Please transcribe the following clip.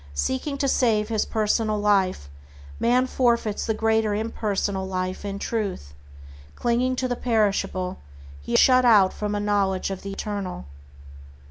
Seeking to save his personal life, man forfeits the greater impersonal Life in Truth; clinging to the perishable, he is shut out from a knowledge of the Eternal.